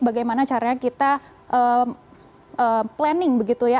bagaimana caranya kita planning begitu ya